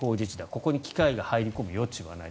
ここに機械が入り込む余地はない。